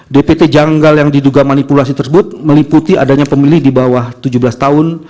dpt janggal yang diduga manipulasi tersebut meliputi adanya pemilih di bawah tujuh belas tahun